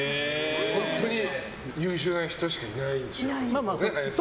本当に優秀な人しかいないんでしょうね。